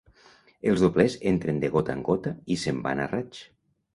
Els doblers entren de gota en gota i se'n van a raig.